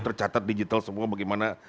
tercatat digital semua bagaimana